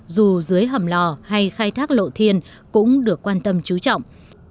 dù dưới hầm lò hay khai thác lộ thiên cũng được quan tâm chú trọng